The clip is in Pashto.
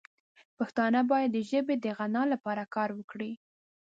پښتانه باید د ژبې د غنا لپاره کار وکړي.